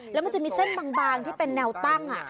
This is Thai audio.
แล้วมันจะมีเส้นบางที่เป็นแนวตั้ง